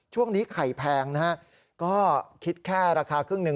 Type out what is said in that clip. ช่วงนี้ไข่แพงนะฮะก็คิดแค่ราคาครึ่งหนึ่ง